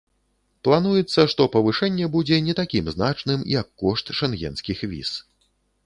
Плануецца, што павышэнне будзе не такім значным, як кошт шэнгенскіх віз.